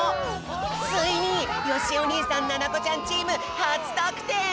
ついによしお兄さんななこちゃんチームはつとくてん！